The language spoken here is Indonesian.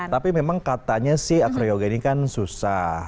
tapi memang katanya sih akroyoga ini kan susah